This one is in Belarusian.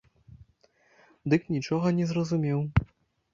Дык нічога не зразумеў.